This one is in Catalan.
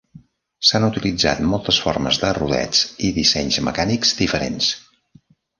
S'han utilitzat moltes formes de rodets i dissenys mecànics diferents.